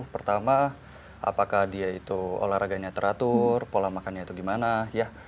pertama apakah dia itu olahraganya teratur pola makannya itu di mana ya